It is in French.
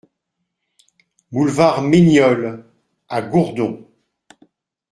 Boulevard Mainiol à Gourdon